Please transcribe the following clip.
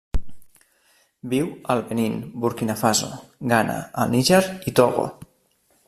Viu al Benín, Burkina Faso, Ghana, el Níger i Togo.